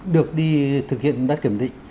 được đi thực hiện đăng kiểm định